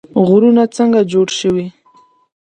غرونه څنګه جوړ شوي؟